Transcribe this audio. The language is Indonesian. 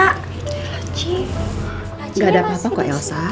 tidak ada apa apa kok elsa